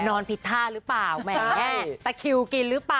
นอนผิดท่าหรือเปล่าแหมตะคิวกินหรือเปล่า